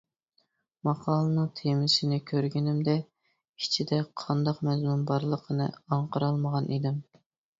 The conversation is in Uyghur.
ماقالىنىڭ تېمىسىنى كۆرگىنىمدە ئىچىدە قانداق مەزمۇن بارلىقىنى ئاڭقىرالمىغان ئىدىم.